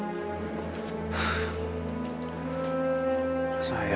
kamu cepet semua ya